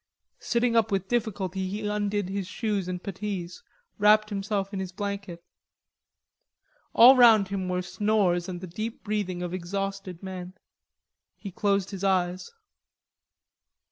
Sitting up with difficulty he undid his shoes and puttees, wrapped himself in his blanket. All round him were snores and the deep breathing of exhausted sleep. He closed his eyes.